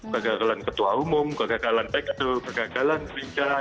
kegagalan ketua umum kegagalan tekno kegagalan wijaya